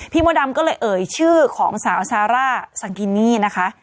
มดดำก็เลยเอ่ยชื่อของสาวซาร่าสังกินี่นะคะ